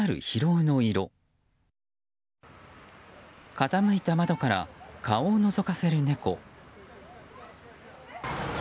傾いた窓から顔をのぞかせる猫。